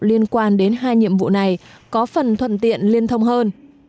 liên quan đến hai nhiệm vụ này có phần thuận tiện liên thông hơn